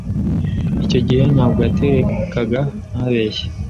icyo gihe ntabwo yatekaga ntabeshye